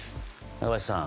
中林さん